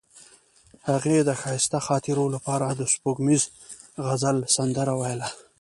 هغې د ښایسته خاطرو لپاره د سپوږمیز غزل سندره ویله.